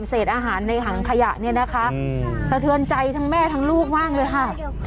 เศษอาหารในถังขยะเนี่ยนะคะสะเทือนใจทั้งแม่ทั้งลูกมากเลยค่ะ